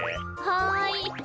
はい。